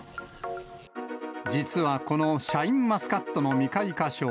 実はこのシャインマスカットの未開花症。